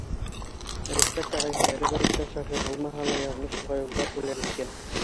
Рифҡәт ағай һөнәре буйынса шофер булмаһа ла, яҙмыш уға юлдар бүләк иткән.